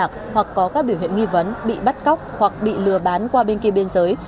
bất liên lạc hoặc có các biểu hiện nghi vấn bị bắt cóc hoặc bị lừa bán qua bên kia biên giới